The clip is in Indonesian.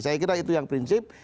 saya kira itu yang prinsip